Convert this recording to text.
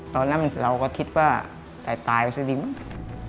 ตอนนั้นเราก็คิดว่าแต่ตายก็จะดีมั้ง